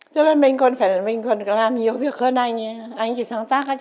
thật ra mình còn phải là mình còn làm nhiều việc hơn anh ấy anh chỉ sáng tác hết